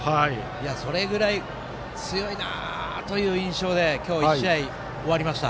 それぐらい強いなという印象で今日１試合、終わりました。